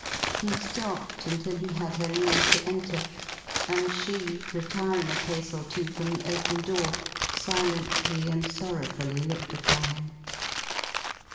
He stopped until he had her leave to enter; and she, retiring a pace or two from the open door, silently and sorrowfully looked upon him.